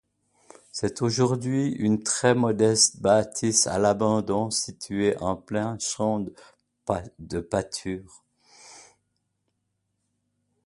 C'est aujourd'hui une très modeste bâtisse à l'abandon située en plein champ de pâture.